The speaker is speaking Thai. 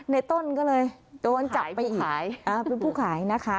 ในต้นก็เลยโดนจับไปอีกเป็นผู้ขายนะคะ